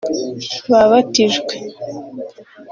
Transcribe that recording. babatijwe